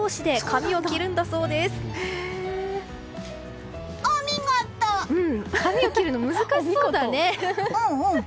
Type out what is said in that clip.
髪を切るの難しそうだね。